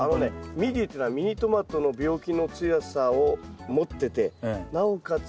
ミディっていうのはミニトマトの病気の強さを持っててなおかつ